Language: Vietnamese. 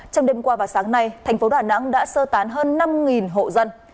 trong đêm qua và sáng nay thành phố đà nẵng đã sơ tán hơn năm hộ dân